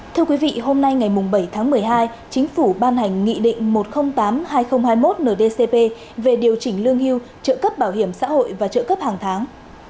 thưa quý vị hôm nay ngày bảy tháng một mươi hai chính phủ ban hành nghị định một trăm linh tám hai nghìn hai mươi một ndcp về điều chỉnh lương hưu trợ cấp bảo hiểm xã hội và trợ cấp hàng tháng